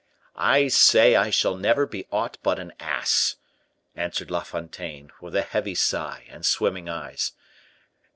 "I say I shall never be aught but an ass," answered La Fontaine, with a heavy sigh and swimming eyes.